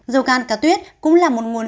dầu gan cá tuyết cũng là một nguồn